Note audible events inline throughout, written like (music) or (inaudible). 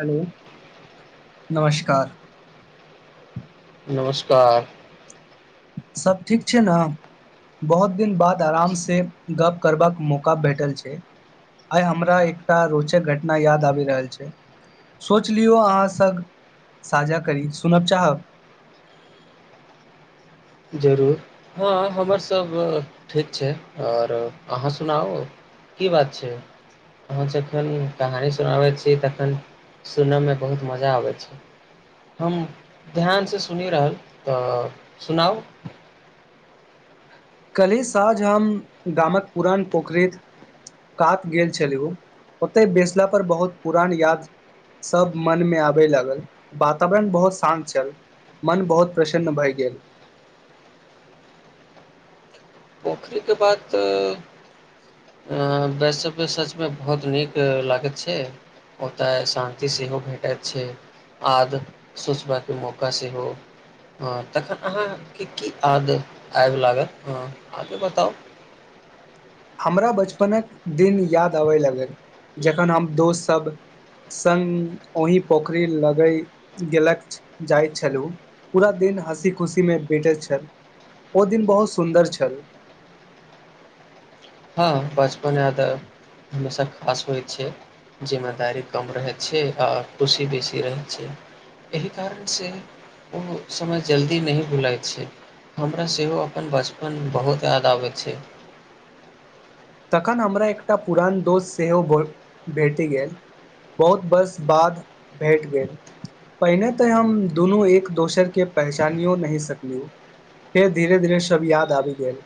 hello नमस्कार नमस्कार सब ठीक छै ने बहुत दिन बाद आराम सँ गप करबाक मौका भेटल छै आइ हमरा एकटा रोचक घटना याद आबि रहल छै सोच लियौ अहाँ सब साझा करी सुनब चाहब जरूर हँ हमरसभ ठीक छै और अहाँ सुनाउ की बात छै अहाँ जखन कहानी सुनाबैत छी तखन सुनयमे बहुत मजा आबैत छै हम ध्यानसँ सुनि रहल तऽ सुनाउ कल्हि साँझ हम गामक पुरान पोखरि कात गेल छलहुँ ओतय बेैसलापर बहुत पुरान याद सब मनमे आबय लागल वातावरण बहुत शान्त छल मन बहुत प्रसन्न भए गेल पोखरिके बात आ वैसब सचमे बहुत नीक लागैत छै ओतऽ शान्ति सेहो भेटैत छै आद सोचबाके मौका सेहो ह तखन अहाँके की आद आबि लागत ह आगे बताउ हमरा बचपनक दिन याद आबै लगल जखन हम दोस्त सब संग ओहि पोखरि लगै गेलक जाइत छलहुँ पूरा दिन हँसी खुशीमे बटैत छल ओ दिन बहुत सुन्दर छल हँ बचपन यादऽ हमेशा खास होइ छै जिम्मेदारी कम रहै छै आ खुशी बेसी रहै छै एहि कारण सँ ओ समय जल्दी नहि भुलाै छै हमरा सेहो अपन बचपन बहुत याद आबै छै तखन हमरा एकटा पुरान दोस्त सेहो भ भेट गेल बहुत वर्ष बाद भेट गेल पहिने तऽ हम दुनू एक दोसरके पहचानियो नहिह सकलहुँ फेर धीरे धीरे सभ याद आबि गेल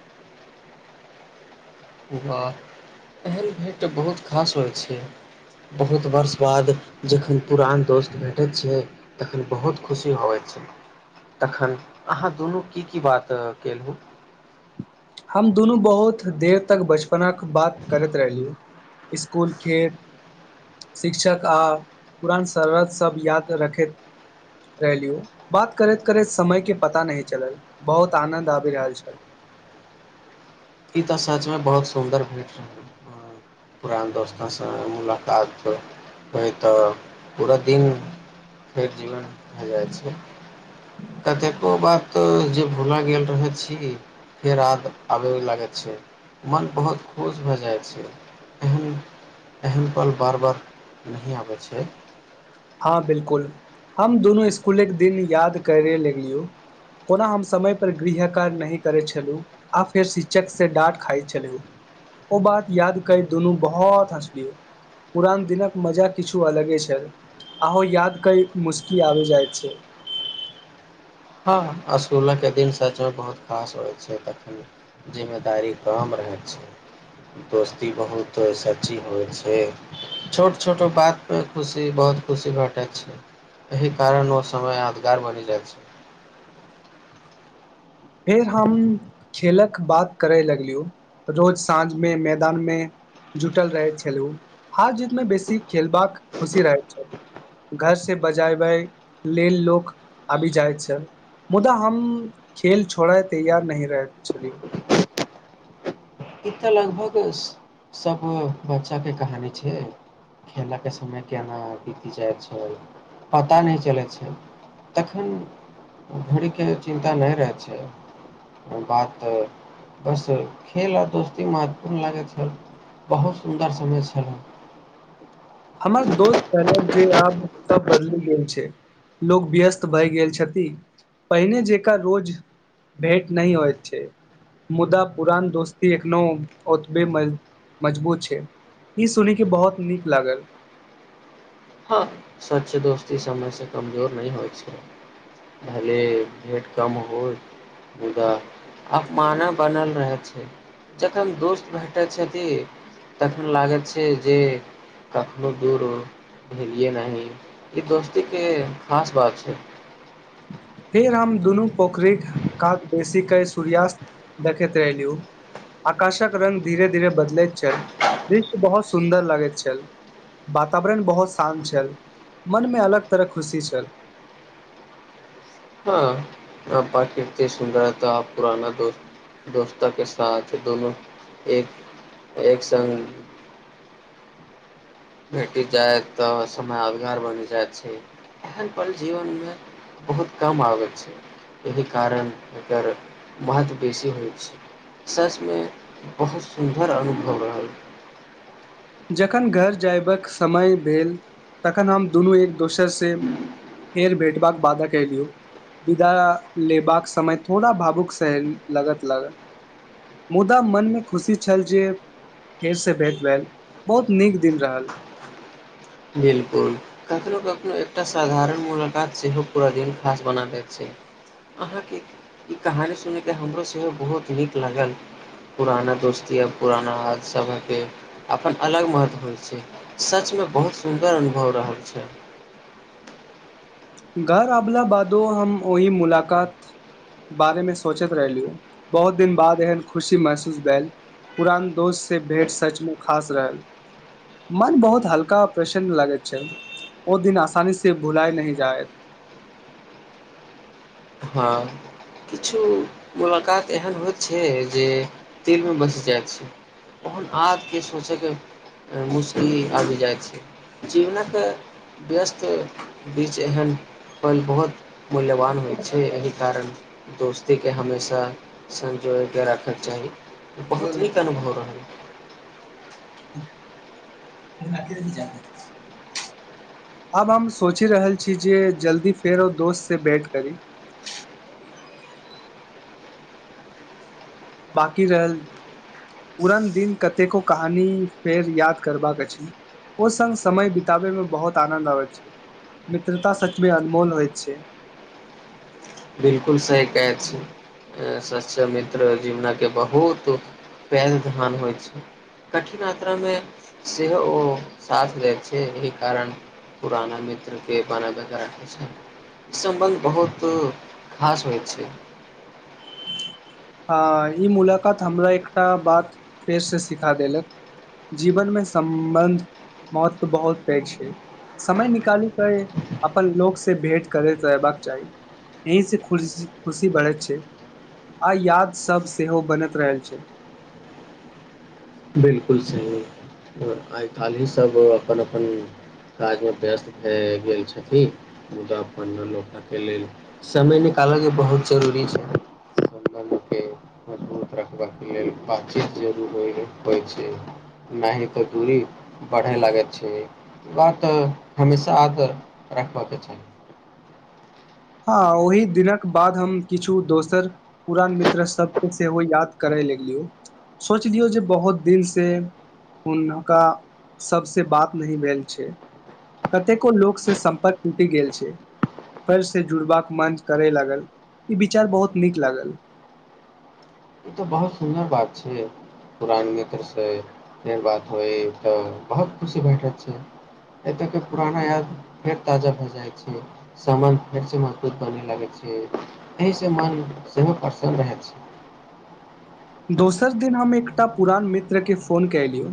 वाह एहन भेट बहुत खास होइ छै बहुत वर्ष बाद जखन पुरान दोस्त भेटैत छै तखन बहुत खुशी होबइत छै तखन अहाँ दुनू की की बात केलहुँ हम दुनू बहुत देर तक बच बच्चपन्ना के बात करैत रहलियै स्कुल खेल शिक्षक आ पुरान शररत सब याद रखैत रहलियो बात करैत करैत समयके पता नहिह चलल बहुत आनन्द आबि रहल छल ई तऽ सचमे बहुत सुन्दर भेट रहलै पुरान दोस्त संग मुलाकात होइ तऽ पूरा दिन फेर जीवन भए जाइ छै कतेको बात जे भूलय गेल रहै छी फेर याद आबय लागै छै मन बहुत खुश भए जाइ छै एहन एहन पल बार बार नहि आबै छै हँ बिलकुल हम दुनू स्कूलके दिन याद करे लगलियौ कोना हम समयपर गृह कार्य नहि करै छलहु आ फेर शिक्षक से डाँट खाइत छलियहु ओ बात याद कर दुनू बहुत हँसलियौ पुरान दिनक मजा किछु अलगे छल आो याद कई मुशकी आ जाइत छै हँ स्कूलके दिन सचो बहुत खास होइ छै तखन जिम्मेदारी कम रहैत छै दोस्ती बहुत सची होइ छै छोट छोट बातमे खुशी बहुत खुशी भेटै छै एहि कारण ओ समय यादगार बनि जाइ छै फेर हम खेलक बात करय लगलियौ रोज साँझमे मैदानमे जुटल रहैत छलहुँ हार जीतमे बेसी खेलबाक खुशी रहैत छल घर से बजयबै लेल लोक आबि जाइत छल मुदा हम खेल छोड़य तैयार नहिह रहैत छलियौ ई तऽ लगभग सब बच्चाके कहानी छै खेलऽके समय केना बीति जाइ छै पता नहि चलै छै तखन घड़ीके चिन्ता नहि रहै छै बात बस खेल आ दोस एतेक महत्वपूर्ण लागैत छल बहुत सुन्दर समय छलै हमर दोस्त पहले जे आब सब बदलि गेल छै लोग व्यस्त भय गेल छथि पहिने जेक रोज भेट न होत छै मुदा पुरान दोस्ती एखनो ओतबे मजबूत छै ई सुन के बहुत नीक लागल हँ सच दोस्ती समय से कमजोर नहि होइ छै भले भेट कम होय मुदा अपमान बनल रहै छै जखन दोस्त भेटे छथि तखन लागैत छै जे कखनो दूर भेल ये नहिह य दोस्तीे के खास बात छै फेर हम दुनू पोखरिक कात बेसीे के सूर्यास्त देखैत रहलहुँ आकाशक रङंगग धीरे धीरे बदलैत छल दृश्य बहुत सुन्दर लगैत छल वातावरण बहुत शान्त छल मनमे अलग तरह खुशी छल हँ आ प्रकृर्ति सुन्दरता आ पुराना दोस्त दोस्त के साथ दोननो एक एक स भेटि जाय तऽ समय यादगार बनि जाइ छै एहन पल जीवनमे बहुत कम आबै छै एहि कारण एकर महत्व बेसी होइ छै ससमे बहुत सुन्दर अनुभव रहल जखन घर जायबाक समय भेल तखन हम दुनू एक दोसरसँ फेर भेटबाक वादा केलियौ विदा लेबाक समय थोड़ा भावुकसँ लागत लागल मुदा मनमे खुशी छल जे फेरसँ भेँट भेल बहुत नीक दिन रहल बिलकुल कखनो कखनो एकटा साधारण मुलाकात सेहो पूरा दिन खास बना दैत छै अहाँके ई कहानी सुनयके हमरो सेहो बहुत नीक लागल पुराना दोस्ती आ पुराना सभके अपन अलग महत्व होइ छै सचमे बहुत सुन्दर अनुभव रहल छै घर आबला बादो हम ओहि मुलाकात बारे मे सोचैत रहलिय बहुत दिन बाद एहन खुशी महसूस भेल पुरान दोस्त से भेंट सच मे खास रहल मन बहुत हल्का आ प्रसन्न लागैत छै ओ दिन आसानी से भुलाय न जायत हँ किछु मुलाकात एहन होइत छै जे तेलमे बसि जाइत छै ओहन आदके सोचैके मुस््की आबि जाइत छै जीवनक व्यस्त बीच एहन पल बहुत मूल्यवान होइत छै छै एहि कारण दोस्तीके हमेशा संजोगके राखैके चाही बहुत जायत नीक अनुभव रहलै अब हम सोचि रहल छी जे जल्दी फेर ओ दोस्त से बैट करी (unintelligible) बाकी रहल पुरन दिन कतेको कहानी फेर याद करबाक अछि ओ सङ्ग समय बिताबयमे बहुत आनन्द आबैत छै मित्रता सचमे अनमोल होइत छै बिलकुल सही कैत छै सच मित्र जीवनके बहुत पैघ धन होइत छै कठिन यात्रामे सेहो ओ साथ दैत छै एहि कारण पुराना मित्रके बना रखैत छै ई सम्बन्ध बहुत खास होइ छै हँ ई मुलाकात हमरा एकटा बात फेरसँ सिखा देलक जीवनमे सम्बन्ध महत्व बहुत पैघ छै समय निकालि कऽ अपन लोकसँ भेँट करैत रहबाक चाही एहिसँ खुशी खुशी बढ़ैत छै आ याद सब सेहो बनैत रहल छै बिलकुल सही आइ काल्हि ही सभ अपन अपन काजमे व्यस्त भए गेल छथिन मुदा अपन लोकके लेल समय निकालयके बहुत जरूरी छैे संबंध के मजबूत रखबाकके लेल बातचीत जरूर होइ होइ छै नहि तऽ दूरी बढ़य लागैत छै ई बात हमेशा रखबयके चाही हँ ओहि दिनक बाद हम किछु दोसर पुरान मित्र सभके सेहो याद करय लगलियौ सोचलियौ जे बहुत दिनसँ हुनका सभसँ बात नहि भेल छै कतेको लोकसँ सम्पर्क टूटि गेल छै फे से जुड़बाक मन करय लागल ई विचार बहुत नीक लागल ई तऽ बहुत सुन्दर बात छै पुरान मित्रसँ फेर बात होइ तऽ बहुत खुशी भेटै छै एतयके पुराना याद फेर ताजा भए जाइ छै समबन्ध फेरसँ मजबूत बनय लागै छै एहिसँ मन सेहो प्रसन्न रहै छै दोसर दिन हम एकटा पुरान मित्रकेँ फोन कयलियौ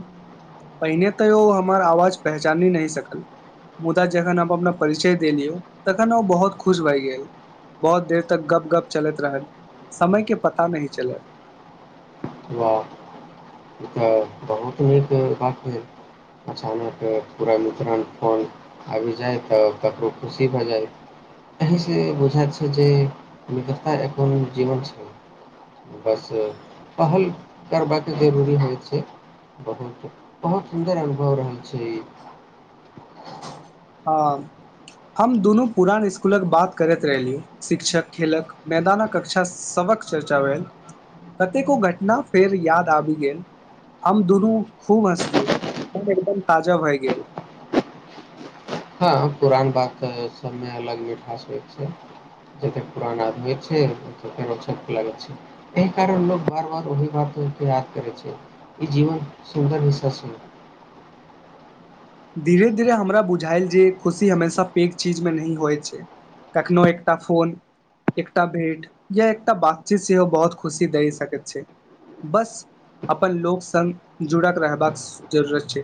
पहिने तऽ ओ हमर आवाज पहचानि नहि सकल मुदा जखन हम अपना परिचय देलियौ तखन ओ बहुत खुश भए गेल बहुत देर तक गप गप चलैत रहल समयके पता नहि चलल वाह ई तऽ बहुत नीक बात भेल अचानक पूरा मित्रण फोन आबि जाइ तऽ ककरो खुशी भए जाइ एहिसँ बुझाइत छै जे मित्रता एखन जीवन छै बस पहल करबाक जरूरी है होयत छै बहुत बहुत सुन्दर अनुभव रहल छै ई हँ हम दुनू पुरान स्कूलक बात करैत रहलिय शिक्षक खेलक मैदानक कक्षा सभक चर्चा भेल कतेको घटना फेर याद आबि गेल हम दुनू खूब हँसलिय मन एकदम ताजा भए गेल हँ पुरान बात सभमे अलग मिठास होइत छै जतेक पुरान आदमी छै फेरक लागैत छै एहि कारण लोको बार बार ओहि बातके याद करै छै ई जीवन सुन्दर हिस्सा सुन्दर धीरे धीरे हमरा बुझाायल जे खुशी हमेशा पैघ चीजमे नहि होइत छै कखनो एकटा फोन एकटा भेट या एकटा बातचीत सेहो बहुत खुशी दए सकैत छै बस अपन लोक सङ्ग जुड़ल रहबाक जरूरत छै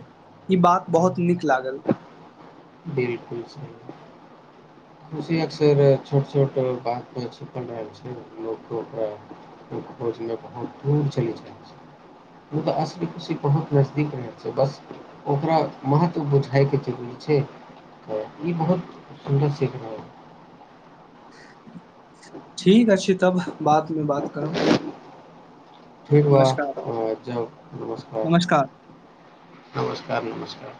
ई बात बहुत नीक लागल होइ छै खुशी अक्सर छोट छोट बात मे छिपल रहल छै लोक ओकरा खोज मे बहुत दूर चलि जा छै मु तऽ असल खुशी बहुत नजदीक रहैत छै बस ओकरा महत्व बुझाय के जरूी छै तऽ ई बहुत सुन्दर से ठीक अछि तब बादमे बात करू ठीक बा जाउ नमस्कार सर नमस्कार